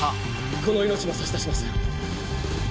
この命も差し出します